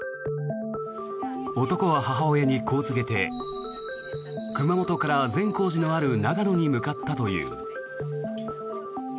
男は母親にこう告げて熊本から、善光寺のある長野に向かったという。